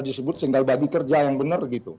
disebut single bagi kerja yang benar gitu